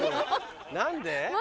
何で？